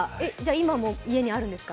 今も家にあるんですか？